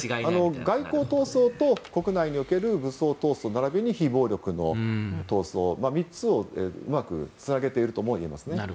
外交闘争と国内における武装闘争ならびに非暴力の闘争、３つをうまくつなげていると思います。